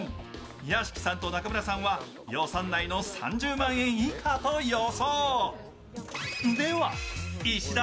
屋敷さんと中村さんは予算内の３０万円以下と予想。